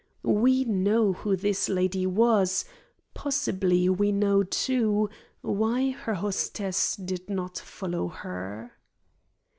We know who this lady was; possibly, we know, too, why her hostess did not follow her.